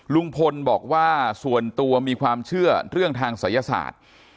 ลุงพลบอกว่าส่วนตัวมีความเชื่อเรื่องทางศัยศาสตร์